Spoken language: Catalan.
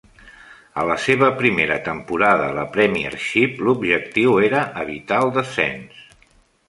A la seva primera temporada a la Premiership, l'objectiu era evitar el descens.